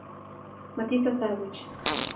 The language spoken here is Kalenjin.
matisasa boch